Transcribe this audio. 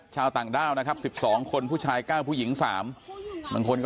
ชาวต่างด้าวนะครับ๑๒คนผู้ชาย๙ผู้หญิง๓บางคนก็